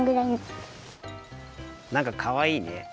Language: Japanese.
なんかかわいいね。